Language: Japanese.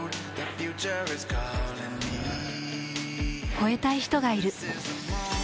超えたい人がいる。